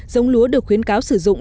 giống lúa được khuyến cáo sử dụng